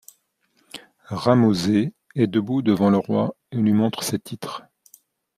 Ramosé est debout devant le roi et lui montre ses titres.